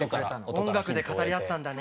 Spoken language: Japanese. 音楽で語り合ったんだね。